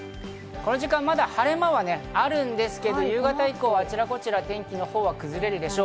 この時間、まだ晴れ間はあるんですけど、夕方以降あちらこちらで天気が崩れるでしょう。